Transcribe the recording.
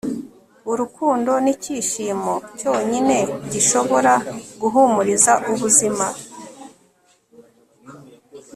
urukundo nicyishimo cyonyine gishobora guhumuriza ubuzima